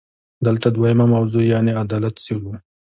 دلته دویمه موضوع یعنې عدالت څېړو.